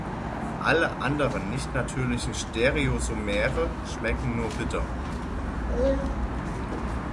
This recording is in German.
Alle anderen nicht natürlichen Stereoisomere schmecken nur bitter.